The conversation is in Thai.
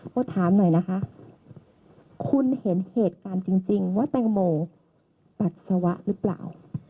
พอถามหน่อยนะคะคุณเห็นเหตุการณ์จริงว่าแตงโมปัสสาวะหรือเปล่า